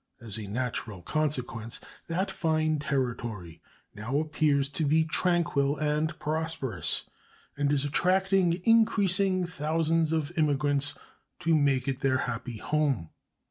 As a natural consequence that fine Territory now appears to be tranquil and prosperous and is attracting increasing thousands of immigrants to make it their happy home.